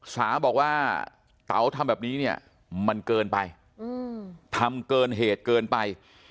สาบอกว่าเต๋าทำแบบนี้เนี่ยมันเกินไปทำเกินเหตุเกินไป